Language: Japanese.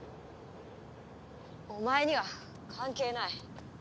お前には関係ない。